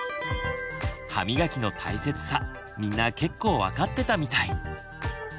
歯みがきの大切さみんな結構分かってたみたい。